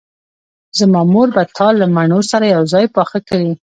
زما مور به تا له مڼو سره یوځای پاخه کړي